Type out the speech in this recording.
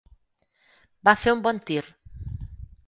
Va fer un bon tir.